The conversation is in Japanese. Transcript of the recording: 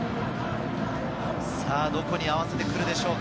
どこに合わせてくるでしょうか？